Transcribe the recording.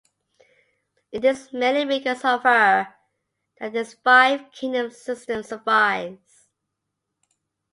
It is mainly because of her that this five-kingdom system survives.